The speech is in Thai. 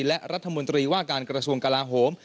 และรัฐมนตรีว่าการกระทรวงกลาโหม